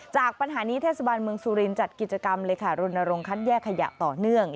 จากปัญหานี้เทศบาลเมืองสุรินจัดกิจกรรมเลยค่ะรณรงคับแยกขยะต่อเนื่อง